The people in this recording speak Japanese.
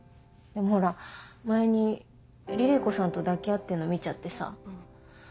でもほら前に凛々子さんと抱き合ってんの見ちゃってさ。